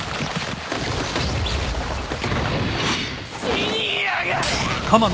死にやがれ！！